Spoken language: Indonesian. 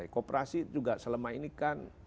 kooperasi juga selama ini kan